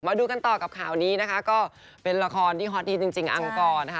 มาดูกันต่อกับข่าวนี้นะคะก็เป็นละครที่ฮอตดีจริงอังกรนะคะ